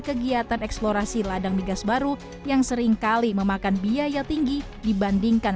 kegiatan eksplorasi ladang migas baru yang seringkali memakan biaya tinggi dibandingkan